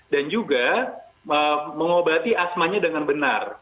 dan juga mengobati asmanya dengan benar